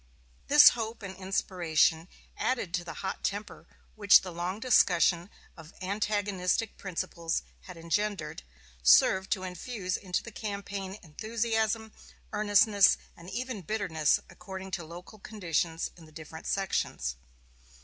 This hope and inspiration, added to the hot temper which the long discussion of antagonistic principles had engendered, served to infuse into the campaign enthusiasm, earnestness, and even bitterness, according to local conditions in the different sections.